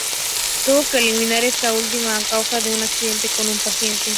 Tuvo que eliminar esta última a causa de un accidente con un paciente.